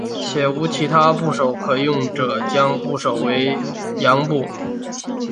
且无其他部首可用者将部首归为羊部。